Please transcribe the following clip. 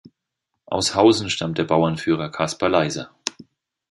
Aus Hausen stammt der Bauernführer Kaspar Leyser.